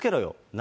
何？